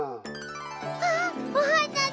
あっおはなだ！